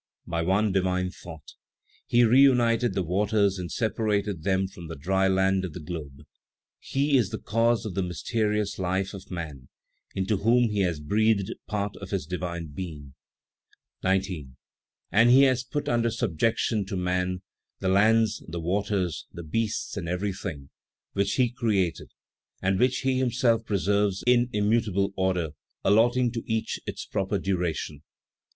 By one divine thought, He reunited the waters and separated them from the dry land of the globe. He is the cause of the mysterious life of man, into whom He has breathed part of His divine Being. 19. "And He has put under subjection to man, the lands, the waters, the beasts and everything which He created, and which He himself preserves in immutable order, allotting to each its proper duration.